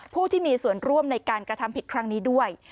ผู้ที่มีส่วนร่วมในการกระทำผิดครั้งนี้ด้วย